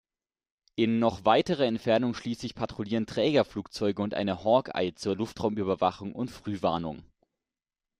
In noch weiterer Entfernung schließlich patrouillieren Trägerflugzeuge und eine Hawkeye zur Luftraumüberwachung und Frühwarnung.